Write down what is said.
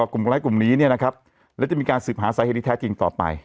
กลุ่มร้ายกลุ่มนี้เนี่ยนะครับแล้วจะมีการสืบหาสาเหตุที่แท้จริงต่อไป